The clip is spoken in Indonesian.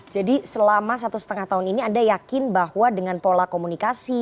jadi selama satu setengah tahun ini anda yakin bahwa dengan pola komunikasi